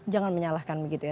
jangan menyalahkan begitu ya